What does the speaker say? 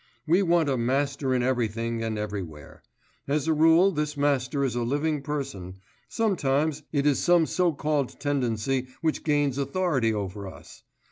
We want a master in everything and everywhere; as a rule this master is a living person, sometimes it is some so called tendency which gains authority over us....